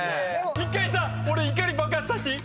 １回さ俺怒り爆発させていい？